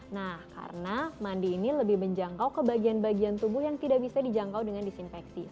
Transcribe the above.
nah karena mandi ini lebih menjangkau ke bagian bagian tubuh yang tidak bisa dijangkau dengan disinfeksi